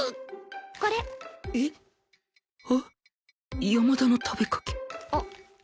あっ山田の食べかけあっ。